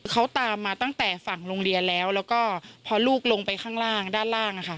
เขาตามมาตั้งแต่ฝั่งโรงเรียนแล้วแล้วก็พอลูกลงไปข้างล่างด้านล่าง